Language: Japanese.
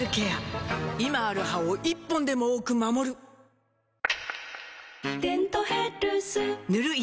今ある歯を１本でも多く守る「デントヘルス」塗る医薬品も